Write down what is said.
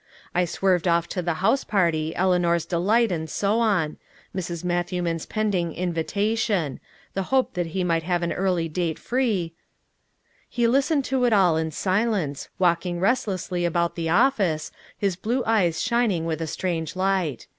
I swerved off to the house party; Eleanor's delight, and so on; Mrs. Matthewman's pending invitation; the hope that he might have an early date free He listened to it all in silence, walking restlessly about the office, his blue eyes shining with a strange light.